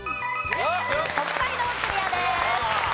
北海道クリアです。